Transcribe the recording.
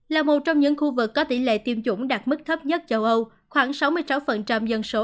là một trong những khu vực có tỷ lệ tiêm chủng đạt mức thấp nhất châu âu khoảng sáu mươi sáu dân số